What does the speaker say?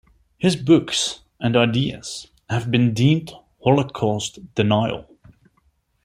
His books and ideas have been deemed Holocaust denial.